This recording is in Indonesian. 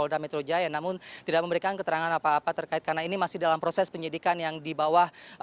polda metro jaya namun tidak memberikan keterangan apa apa terkait karena ini masih dalam proses penyidikan yang dibawa